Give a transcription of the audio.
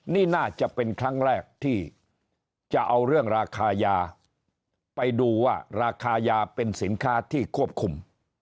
นี่น่าจะเป็นครั้งแรกที่จะเอาเรื่องราคายาไปดูว่าราคายาเป็นสินค้าที่ควบคุม